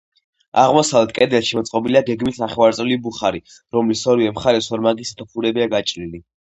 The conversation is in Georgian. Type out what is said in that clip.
აღმოსავლეთ კედელში მოწყობილია გეგმით ნახევარწრიული ბუხარი, რომლის ორივე მხარეს ორმაგი სათოფურებია გაჭრილი.